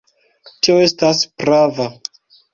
Tio estas prava.